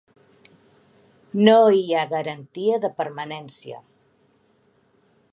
No hi ha garantia de permanència.